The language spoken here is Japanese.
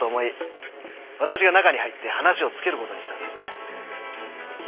私が中に入って話をつける事にしたんです。